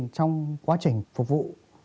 trong quá trình phục vụ